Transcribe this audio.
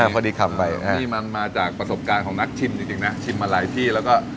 อ๋อพอดีคำอย่างนี้